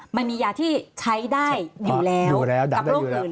มันมียาที่ใช้ได้อยู่แล้วกับโรคอื่น